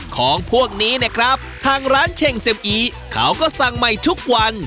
ของพวกนี้นะครับทางร้านเช่งเซ็มอีเขาก็สั่งใหม่ทุกวัน